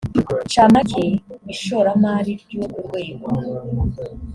ncamake ishoramari ry urwo rwego